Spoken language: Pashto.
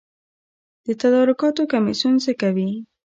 د تدارکاتو کمیسیون څه کوي؟